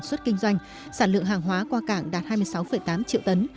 xuất kinh doanh sản lượng hàng hóa qua cảng đạt hai mươi sáu tám triệu tấn